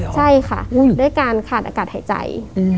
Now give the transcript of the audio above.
ใช่ค่ะด้วยการขาดอากาศหายใจ